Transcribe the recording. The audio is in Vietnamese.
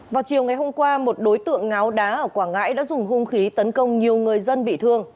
vào chiều ngày hôm qua một đối tượng ngáo đá ở quảng ngãi đã dùng hung khí tấn công nhiều người dân bị thương